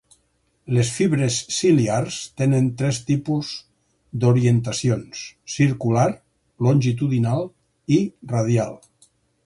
Les fibres ciliars tenen tres tipus d'orientacions: circular, longitudinal i radial.